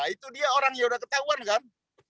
itu dia orangnya udah ketahuan kan